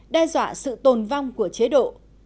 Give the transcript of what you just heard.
đe dọa sự tồn vong của chế độ